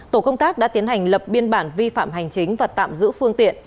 tổ công tác đã tiến hành lập biên bản vi phạm hành chính và tạm giữ phương tiện